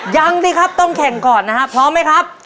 ยังสิครับต้องแข่งก่อนนะครับพร้อมไหมครับ